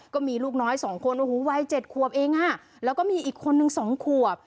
ก็มีลูกน้อย๒คนโอ้โหวัย๗ขวบเองอ่ะแล้วก็มีอีกคนนึง๒ขวบ